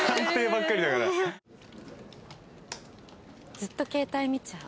ずっと携帯見ちゃう。